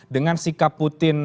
dengan sikap putin